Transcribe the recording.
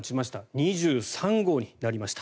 ２３号になりました。